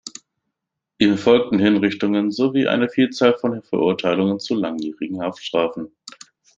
Ihm folgten Hinrichtungen sowie eine Vielzahl von Verurteilungen zu langjährigen Haftstrafen.